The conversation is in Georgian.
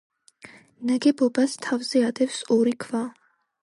ნაგებობას თავზე ადევს ორი ქვა.